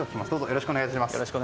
よろしくお願いします。